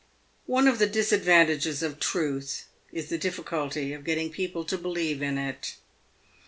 One of the disadvantages of Truth is the difficulty of getting peo ple to believe in it.